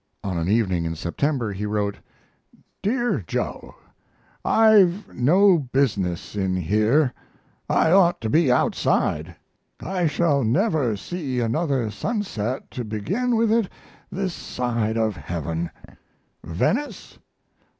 On an evening in September he wrote: DEAR JOE, I've no business in here I ought to be outside. I shall never see another sunset to begin with it this side of heaven. Venice?